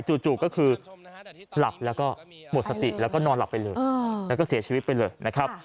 จู่ก็คือหลับแล้วก็หมดสติแล้วก็นอนหลับไปเลยแล้วก็เสียชีวิตไปเลยนะครับ